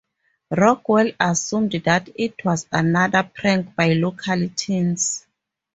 Rockwell assumed that it was another prank by local teens.